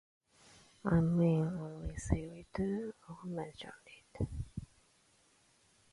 I mean, only civil to mention it.